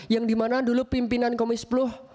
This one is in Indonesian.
yang dimana dulu pimpinan komisi sepuluh